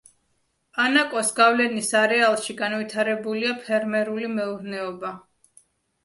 ანაკოს გავლენის არეალში განვითარებულია ფერმერული მეურნეობა.